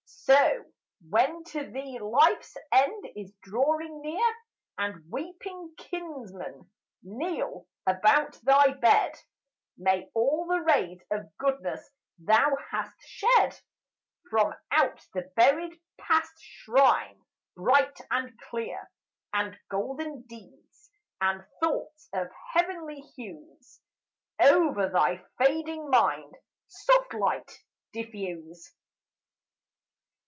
So, when to thee life's end is drawing near And weeping kinsmen kneel about thy bed May all the rays of goodness thou hast shed From out the buried past shine bright and clear, And golden deeds and thoughts of heavenly hues Over thy fading mind soft light diffuse.